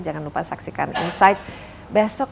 jangan lupa saksikan insight besok